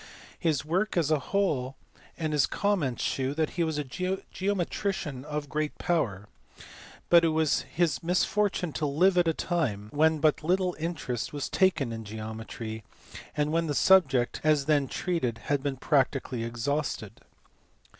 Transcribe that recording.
His work as a whole and his comments shew that he was a geometrician of great power; but it was his misfortune to live at a time when but little interest was taken in geometry, and when the subject, as then treated, had been practically exhausted.